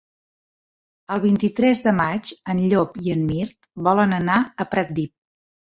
El vint-i-tres de maig en Llop i en Mirt volen anar a Pratdip.